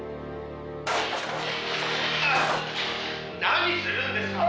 何するんですか！」